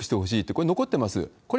これ、残ってます。